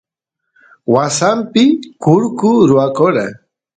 wasampi kurku rwakora